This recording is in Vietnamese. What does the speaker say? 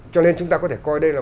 cho nên chúng ta có thể coi đây là